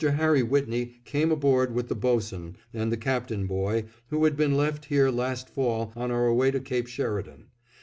Harry Whitney came aboard with the boatswain and the cabin boy, who had been left here last fall on our way to Cape Sheridan.